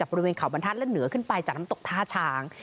บริเวณเขาบรรทัศน์และเหนือขึ้นไปจากน้ำตกท่าช้าง